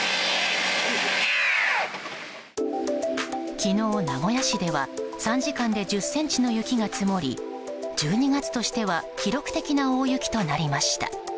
昨日、名古屋市では３時間で１０ｃｍの雪が積もり１２月としては記録的な大雪となりました。